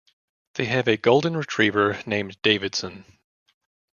They have a golden retriever named Davidson.